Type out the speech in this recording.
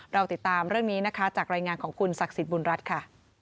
เราติดตามเรื่องนี้นะคะจากรายงานของคุณศักดิ์สิทธิบุญรัฐค่ะ